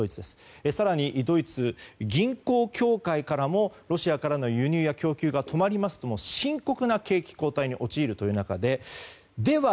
更に、ドイツ銀行協会からもロシアの輸入や供給が止まりますと、深刻な景気後退に陥るという中で。